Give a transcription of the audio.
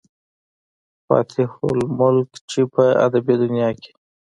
فاتح الملک، چې پۀ ادبي دنيا کښې